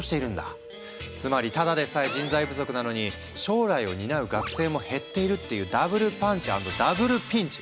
つまりただでさえ人材不足なのに将来を担う学生も減っているっていうダブルパンチ＆ダブルピンチ！